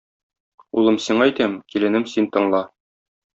Улым, сиңа әйтәм - киленем, син тыңла.